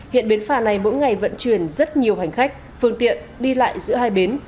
hiện bến phà này mỗi ngày vận chuyển rất nhiều hành khách phương tiện đi lại giữa hai bến